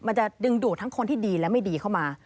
มันจะดึงดูดทั้งคนที่ดีและไม่ดีเข้ามา